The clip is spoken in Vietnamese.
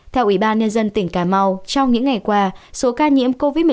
theo ubnd tỉnh cà mau trong những ngày qua số ca nhiễm covid một mươi chín